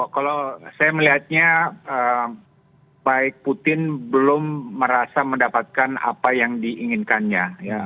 kalau saya melihatnya baik putin belum merasa mendapatkan apa yang diinginkannya